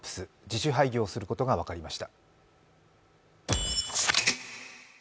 自主廃業することが分かりました。